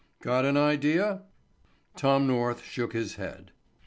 Got an idea?" Tom North shook his head.